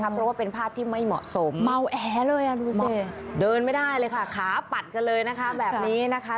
เพราะว่าเป็นภาพที่ไม่เหมาะสมเมาแอเลยดูสิเดินไม่ได้เลยค่ะขาปัดกันเลยนะคะแบบนี้นะคะ